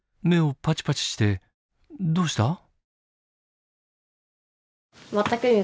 目をパチパチしてどうした？